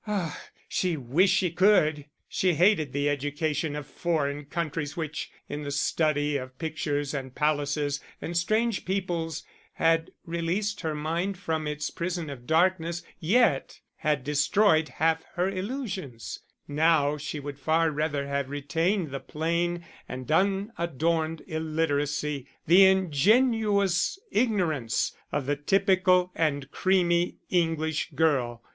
Ah, she wished she could; she hated the education of foreign countries, which, in the study of pictures and palaces and strange peoples, had released her mind from its prison of darkness, yet had destroyed half her illusions; now she would far rather have retained the plain and unadorned illiteracy, the ingenuous ignorance of the typical and creamy English girl.